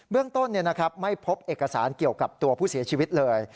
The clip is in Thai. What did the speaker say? เรื่องต้นไม่พบเอกสารเกี่ยวกับตัวผู้เสียชีวิตเลย